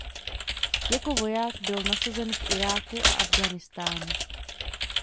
Jako voják byl nasazen v Iráku a Afghánistánu.